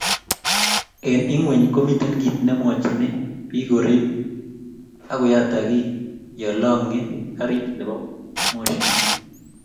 Eng ingweny komi kiit nemwochini biik korib agoyatagia yo longe garit nebo moshi---